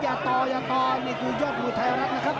อย่าต่ออย่าต่อนี่คือยอดมวยไทยรัฐนะครับ